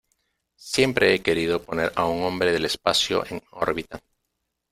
Siempre he querido poner a un hombre del espacio en órbita.